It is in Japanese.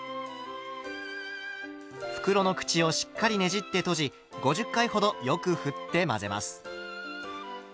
袋の口をしっかりねじって閉じ５０回ほどよくふって混ぜます。